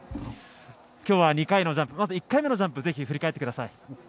今日は２回のジャンプ１回目のジャンプを振り返ってください。